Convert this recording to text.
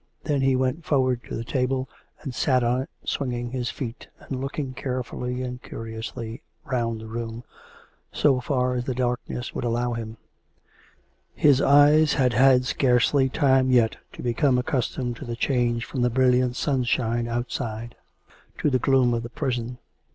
Then he went forward to the table, and sat on it, swinging his feet, and looking carefully and curiously round the room, so far as the darkness would allow him; his eyes had had scarcely time yet to become accustomed to the change from the brilliant sunshine outside to the gloom of the prison.